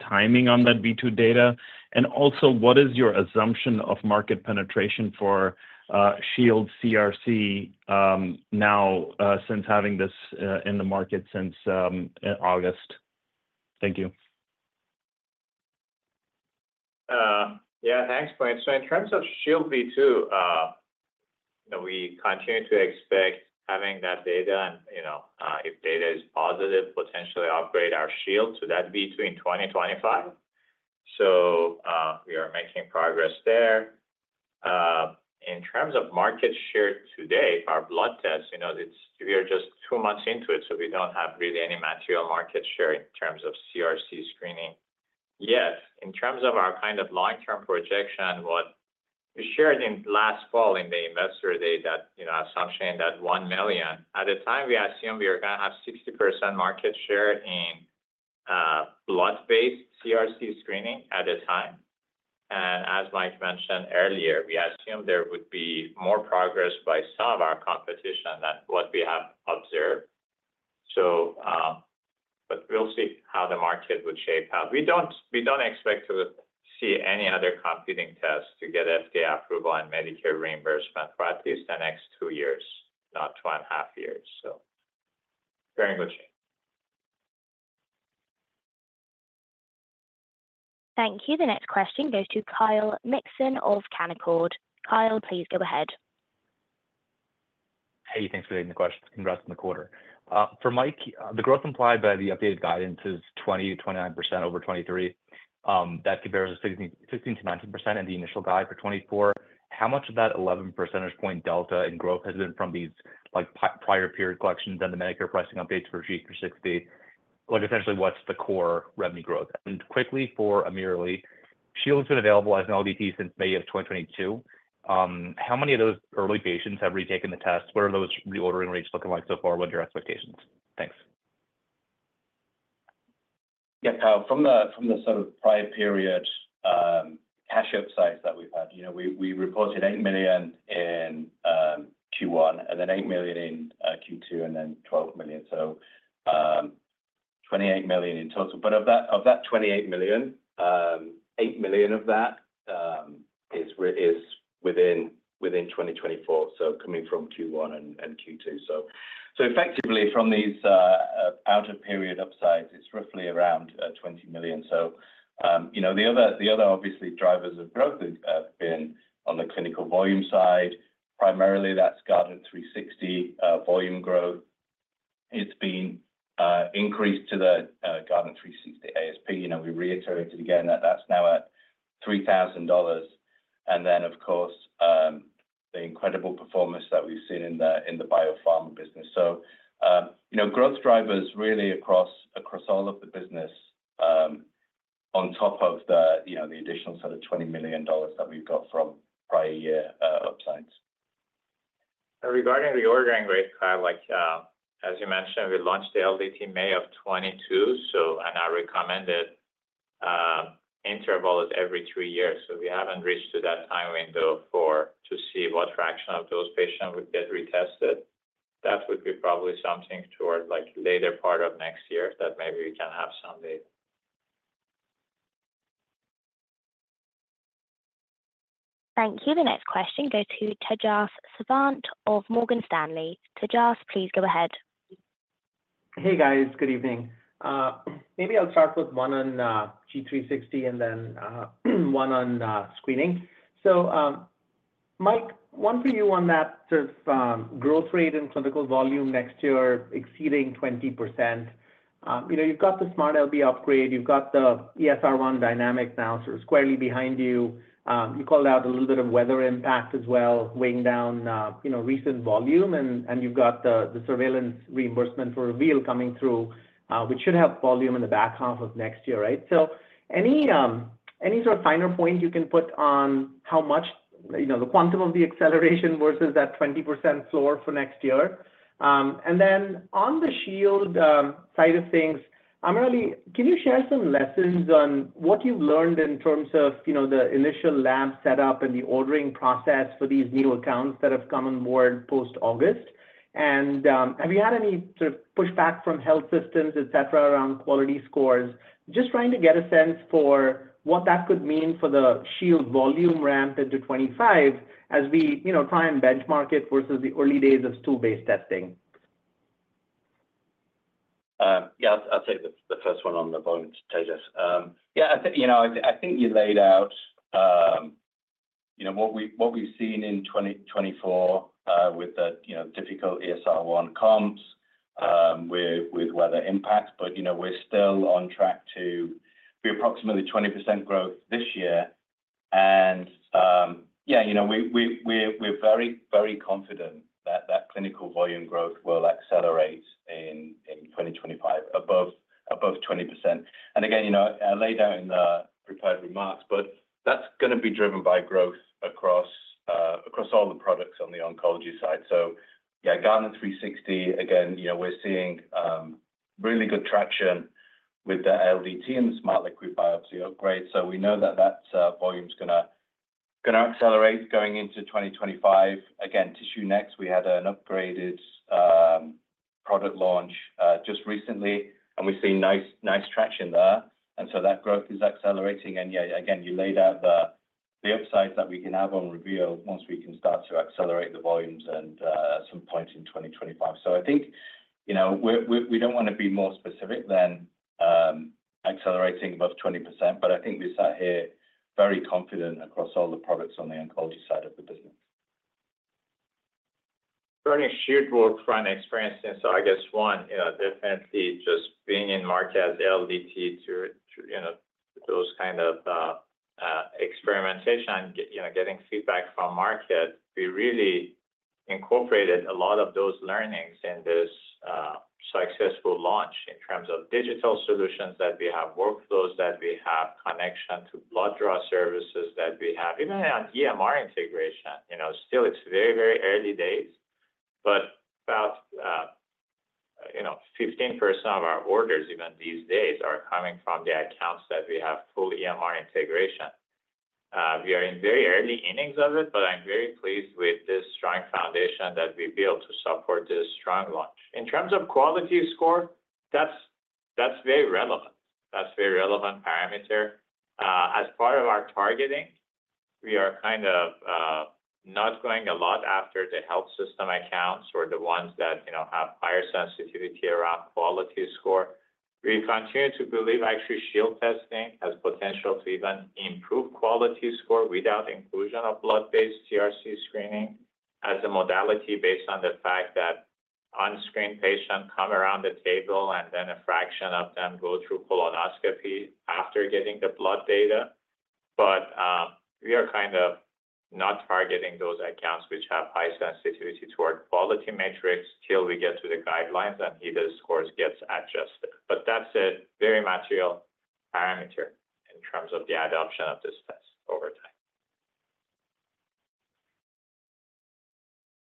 timing on that V2 data? And also, what is your assumption of market penetration for Shield CRC now since having this in the market since August? Thank you. Yeah, nice question. So in terms of Shield V2, we continue to expect having that data and if data is positive, potentially upgrade our Shield to that v2 in 2025. So we are making progress there. In terms of market share today, our blood tests, we are just two months into it, so we don't have really any material market share in terms of CRC screening yet. In terms of our kind of long-term projection, what we shared last fall in the investor day, that assumption that 1 million, at the time, we assumed we were going to have 60% market share in blood-based CRC screening at the time. And as Mike mentioned earlier, we assumed there would be more progress by some of our competition than what we have observed. But we'll see how the market would shape out. We don't expect to see any other competing tests to get FDA approval and Medicare reimbursement for at least the next two years, not two and a half years. Thank you very much. Thank you. The next question goes to Kyle Mixon of Canaccord. Kyle, please go ahead. Hey, thanks for taking the question. In the rest of the quarter, for Mike, the growth implied by the updated guidance is 20%-29% over 2023. That compares to 16%-19% in the initial guide for 2024. How much of that 11 percentage point delta in growth has been from these prior period collections and the Medicare pricing updates for G360? Essentially, what's the core revenue growth? And quickly for AmirAli, Shield has been available as an LDT since May of 2022. How many of those early patients have retaken the test? What are those reordering rates looking like so far? What are your expectations? Thanks. Yeah, from the sort of prior period cash upsides that we've had, we reported $8 million in Q1 and then $8 million in Q2 and then $12 million. So $28 million in total. But of that $28 million, $8 million of that is within 2024, so coming from Q1 and Q2. So effectively, from these out-of-period upsides, it's roughly around $20 million. So the other obviously drivers of growth have been on the clinical volume side. Primarily, that's Guardant360 volume growth. It's been increased to the Guardant360 ASP. We reiterated again that that's now at $3,000. And then, of course, the incredible performance that we've seen in the biopharma business. So growth drivers really across all of the business on top of the additional sort of $20 million that we've got from prior year upsides. Regarding reordering rates, as you mentioned, we launched the LDT May of 2022, and our recommended interval is every three years. So we haven't reached to that time window to see what fraction of those patients would get retested. That would be probably something toward later part of next year that maybe we can have someday. Thank you. The next question goes to Tejas Savant of Morgan Stanley. Tejas, please go ahead. Hey, guys. Good evening. Maybe I'll start with one on G360 and then one on screening. So Mike, one for you on that sort of growth rate and clinical volume next year exceeding 20%. You've got the Smart LB upgrade. You've got the ESR1 dynamic now sort of squarely behind you. You called out a little bit of weather impact as well, weighing down recent volume. And you've got the surveillance reimbursement for Reveal coming through, which should have volume in the back half of next year, right? So any sort of finer point you can put on how much the quantum of the acceleration versus that 20% floor for next year? And then on the Shield side of things, AmirAli, can you share some lessons on what you've learned in terms of the initial lab setup and the ordering process for these new accounts that have come on board post-August? And have you had any sort of pushback from health systems, etc., around quality scores? Just trying to get a sense for what that could mean for the Shield volume ramp into '25 as we try and benchmark it versus the early days of stool-based testing. Yeah, I'll take the first one on the volume to Tejas. Yeah, I think you laid out what we've seen in 2024 with the difficult ESR1 comps with weather impacts, but we're still on track to be approximately 20% growth this year. And yeah, we're very, very confident that that clinical volume growth will accelerate in 2025 above 20%. And again, I laid out in the prepared remarks, but that's going to be driven by growth across all the products on the oncology side. So yeah, Guardant360, again, we're seeing really good traction with the LDT and the Smart Liquid Biopsy upgrade. So we know that that volume is going to accelerate going into 2025. Again, TissueNext, we had an upgraded product launch just recently, and we've seen nice traction there. And so that growth is accelerating. And yeah, again, you laid out the upsides that we can have on Reveal once we can start to accelerate the volumes and some points in 2025. So I think we don't want to be more specific than accelerating above 20%, but I think we sit here very confident across all the products on the oncology side of the business. Bringing Shield work from experience in, so I guess one, definitely just being in market as LDT to those kind of experimentation and getting feedback from market, we really incorporated a lot of those learnings in this successful launch in terms of digital solutions that we have, workflows that we have, connection to blood draw services that we have, even on EMR integration. Still, it's very, very early days, but about 15% of our orders even these days are coming from the accounts that we have full EMR integration. We are in very early innings of it, but I'm very pleased with this strong foundation that we've built to support this strong launch. In terms of quality score, that's very relevant. That's a very relevant parameter. As part of our targeting, we are kind of not going a lot after the health system accounts or the ones that have higher sensitivity around quality score. We continue to believe actually Shield testing has potential to even improve quality score without inclusion of blood-based CRC screening as a modality based on the fact that unscreened patients come around the table and then a fraction of them go through colonoscopy after getting the blood data. But we are kind of not targeting those accounts which have high sensitivity toward quality metrics till we get to the guidelines and either the scores get adjusted. But that's a very material parameter in terms of the adoption of this test over time.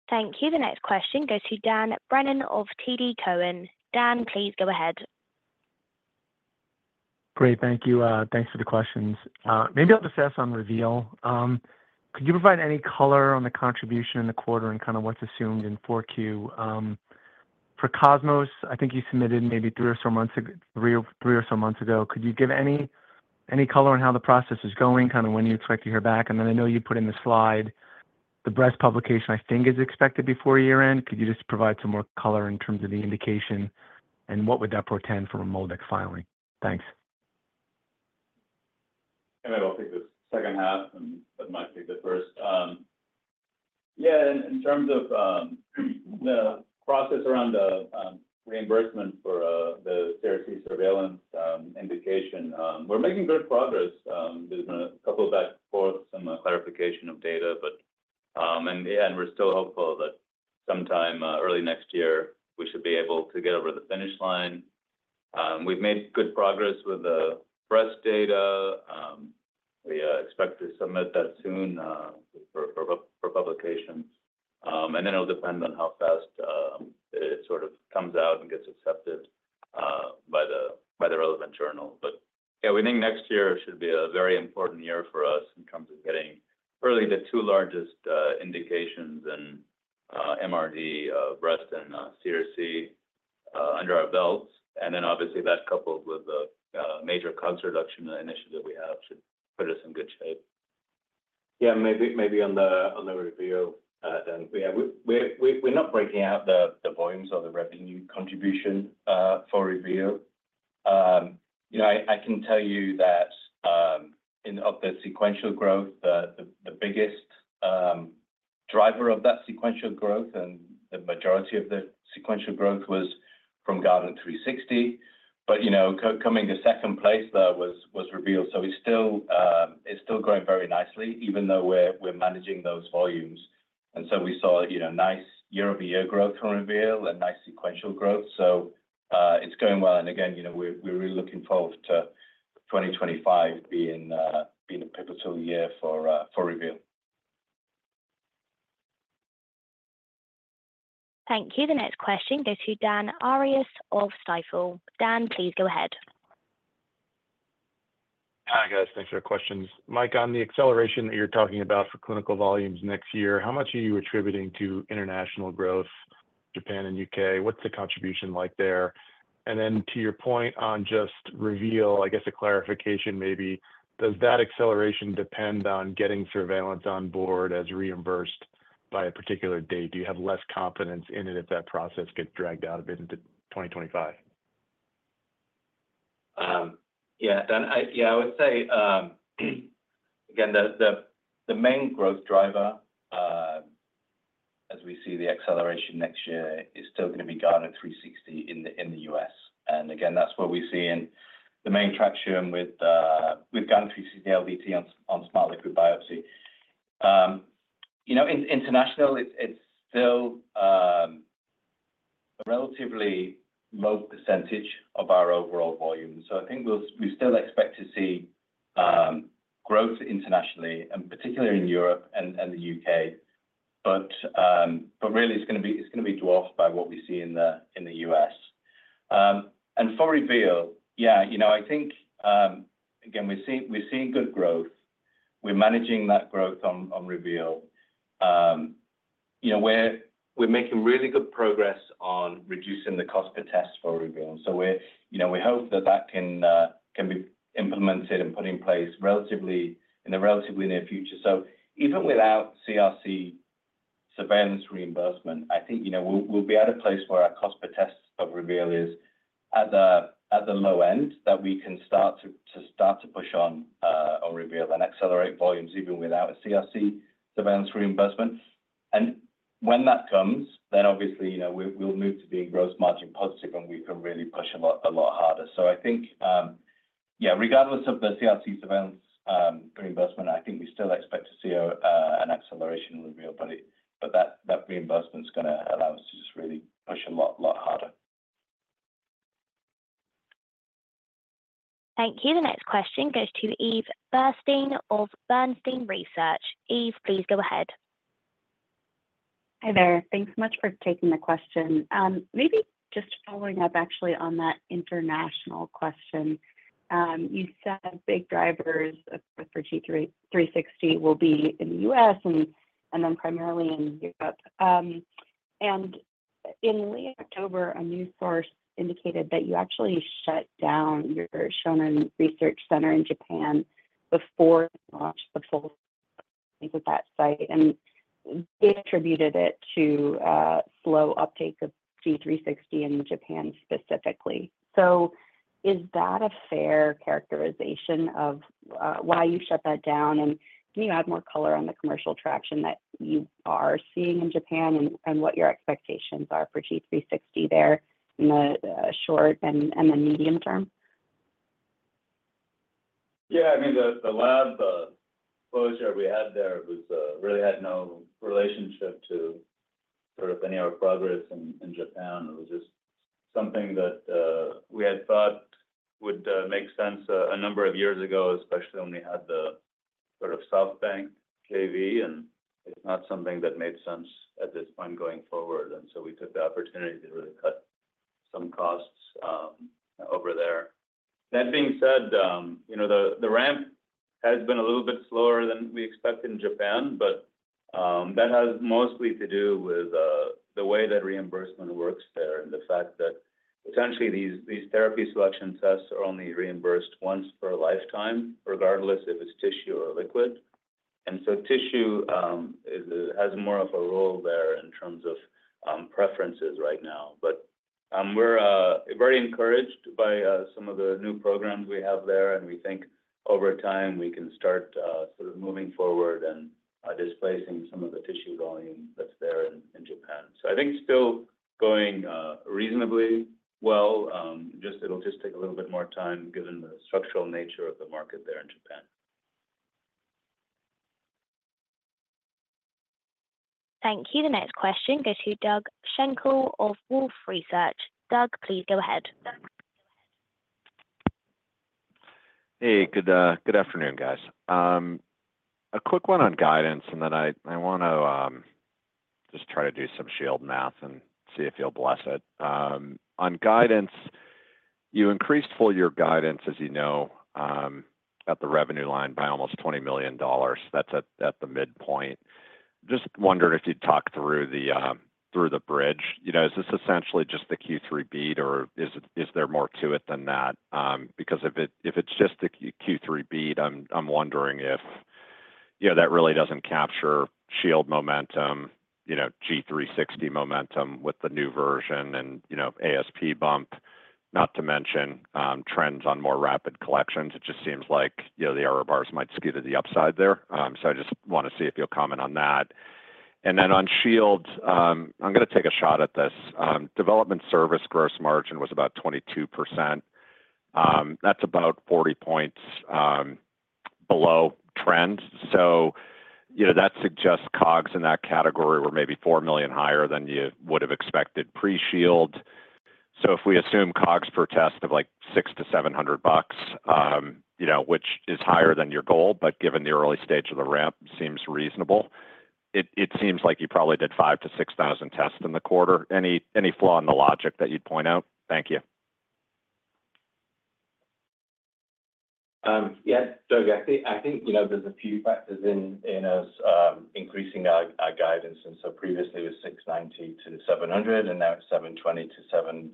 Thank you. The next question goes to Dan Brennan of TD Cowen. Dan, please go ahead. Great. Thank you. Thanks for the questions. Maybe I'll just ask on Reveal. Could you provide any color on the contribution in the quarter and kind of what's assumed in 4Q? For COSMOS, I think you submitted maybe three or so months ago. Could you give any color on how the process is going, kind of when you expect to hear back? And then I know you put in the slide, the breast publication, I think, is expected before year-end. Could you just provide some more color in terms of the indication and what would that portend for MolDX filing? Thanks. I don't think the second half, but Mike did the first. Yeah, in terms of the process around the reimbursement for the CRC surveillance indication, we're making good progress. There's been a couple of back and forth, some clarification of data, but yeah, and we're still hopeful that sometime early next year, we should be able to get over the finish line. We've made good progress with the breast data. We expect to submit that soon for publication. And then it'll depend on how fast it sort of comes out and gets accepted by the relevant journal. But yeah, we think next year should be a very important year for us in terms of getting early the two largest indications in MRD, breast, and CRC under our belts. And then obviously, that coupled with the major COGS reduction initiative we have should put us in good shape. Yeah, maybe on the Reveal, then we are not breaking out the volumes or the revenue contribution for Reveal. I can tell you that of the sequential growth, the biggest driver of that sequential growth and the majority of the sequential growth was from Guardant360, but coming to second place there was Reveal, so it's still growing very nicely, even though we're managing those volumes, and so we saw nice year-over-year growth from Reveal and nice sequential growth, so it's going well, and again, we're really looking forward to 2025 being a pivotal year for Reveal. Thank you. The next question goes to Dan Arias of Stifel. Dan, please go ahead. Hi, guys. Thanks for the questions. Mike, on the acceleration that you're talking about for clinical volumes next year, how much are you attributing to international growth, Japan and UK? What's the contribution like there? And then to your point on just Reveal, I guess a clarification maybe, does that acceleration depend on getting surveillance on board as reimbursed by a particular date? Do you have less confidence in it if that process gets dragged out a bit into 2025? Yeah, Dan, yeah, I would say, again, the main growth driver as we see the acceleration next year is still going to be Guardant360 in the U.S. And again, that's what we see in the main traction with Guardant360 LDT on Smart Liquid Biopsy. International, it's still a relatively low percentage of our overall volume. So I think we still expect to see growth internationally, and particularly in Europe and the U.K. But really, it's going to be dwarfed by what we see in the U.S. And for Reveal, yeah, I think, again, we've seen good growth. We're managing that growth on Reveal. We're making really good progress on reducing the cost per test for Reveal. So we hope that that can be implemented and put in place in the relatively near future. So even without CRC surveillance reimbursement, I think we'll be at a place where our cost per test of Reveal is at the low end that we can start to push on Reveal and accelerate volumes even without a CRC surveillance reimbursement. And when that comes, then obviously, we'll move to being gross margin positive, and we can really push a lot harder. So I think, yeah, regardless of the CRC surveillance reimbursement, I think we still expect to see an acceleration with Reveal, but that reimbursement is going to allow us to just really push a lot harder. Thank you. The next question goes to Eve Burstein of Bernstein Research. Eve, please go ahead. Hi there. Thanks so much for taking the question. Maybe just following up actually on that international question, you said big drivers for G360 will be in the U.S. and then primarily in Europe. And in late October, a news source indicated that you actually shut down your Shonan Research Center in Japan before the launch of the full-scale studies at that site. And they attributed it to slow uptake of G360 in Japan specifically. So is that a fair characterization of why you shut that down? And can you add more color on the commercial traction that you are seeing in Japan and what your expectations are for G360 there in the short and the medium term? Yeah, I mean, the lab exposure we had there really had no relationship to sort of any of our progress in Japan. It was just something that we had thought would make sense a number of years ago, especially when we had the sort of SoftBank JV. And it's not something that made sense at this point going forward. And so we took the opportunity to really cut some costs over there. That being said, the ramp has been a little bit slower than we expected in Japan, but that has mostly to do with the way that reimbursement works there and the fact that essentially these therapy selection tests are only reimbursed once per lifetime, regardless if it's tissue or liquid. And so tissue has more of a role there in terms of preferences right now. But we're very encouraged by some of the new programs we have there. And we think over time, we can start sort of moving forward and displacing some of the tissue volume that's there in Japan. So I think it's still going reasonably well. It'll just take a little bit more time given the structural nature of the market there in Japan. Thank you. The next question goes to Doug Schenkel of Wolfe Research. Doug, please go ahead. Hey, good afternoon, guys. A quick one on guidance, and then I want to just try to do some Shield math and see if you'll bless it. On guidance, you increased full year guidance, as you know, at the revenue line by almost $20 million. That's at the midpoint. Just wondering if you'd talk through the bridge. Is this essentially just the Q3 beat, or is there more to it than that? Because if it's just the Q3 beat, I'm wondering if that really doesn't capture Shield momentum, G360 momentum with the new version and ASP bump, not to mention trends on more rapid collections. It just seems like the error bars might skew to the upside there. So I just want to see if you'll comment on that. And then on Shield, I'm going to take a shot at this. Development service gross margin was about 22%. That's about 40 points below trend. So that suggests COGS in that category were maybe $4 million higher than you would have expected pre-shield. So if we assume COGS per test of like $600-$700 bucks, which is higher than your goal, but given the early stage of the ramp, seems reasonable. It seems like you probably did 5,000 to 6,000 tests in the quarter. Any flaw in the logic that you'd point out? Thank you. Yeah, Doug, I think there's a few factors in us increasing our guidance. And so previously, it was 690-700, and now it's 720-725.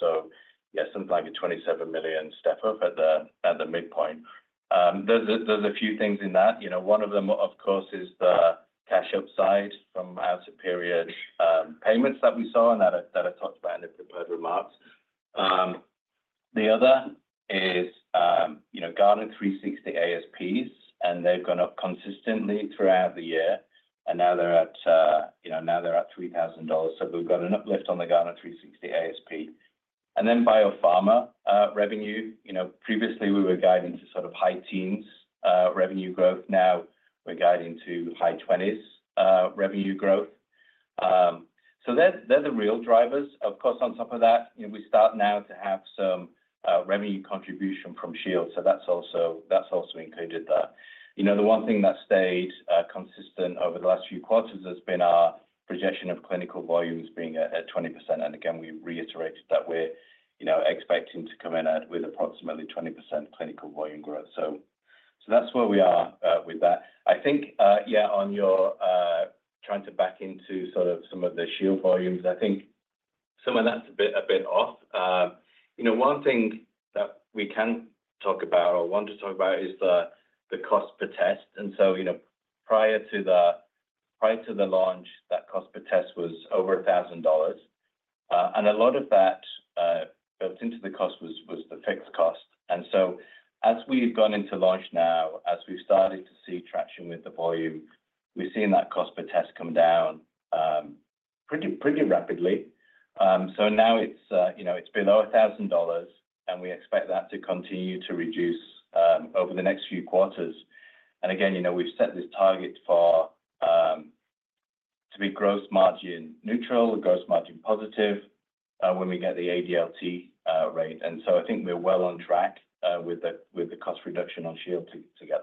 So yeah, something like a $27 million step up at the midpoint. There's a few things in that. One of them, of course, is the cash upside from our Shield payments that we saw and that I talked about in the prepared remarks. The other is Guardant360 ASPs, and they've gone up consistently throughout the year. And now they're at, now they're at $3,000. So we've got an uplift on the Guardant360 ASP. And then biopharma revenue. Previously, we were guiding to sort of high teens revenue growth. Now we're guiding to high 20s revenue growth. So they're the real drivers. Of course, on top of that, we start now to have some revenue contribution from Shield. That's also included there. The one thing that stayed consistent over the last few quarters has been our projection of clinical volumes being at 20%. We reiterated that we're expecting to come in with approximately 20% clinical volume growth. That's where we are with that. I think, yeah, on your trying to back into sort of some of the Shield volumes, I think some of that's a bit off. One thing that we can talk about or want to talk about is the cost per test. Prior to the launch, that cost per test was over $1,000. A lot of that built into the cost was the fixed cost. As we've gone into launch now, as we've started to see traction with the volume, we've seen that cost per test come down pretty rapidly. So now it's below $1,000, and we expect that to continue to reduce over the next few quarters. And again, we've set this target to be gross margin neutral, gross margin positive when we get the ADLT rate. And so I think we're well on track with the cost reduction on Shield together.